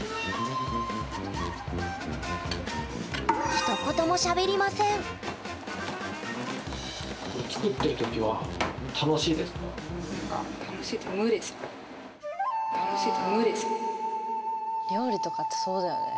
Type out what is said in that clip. ひと言もしゃべりません料理とかってそうだよね。